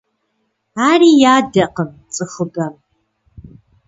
Ари ядакъым цӀыхубэм…